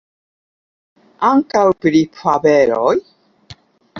Ankaŭ pri fabeloj?